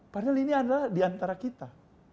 padahal ini adalah di antara kita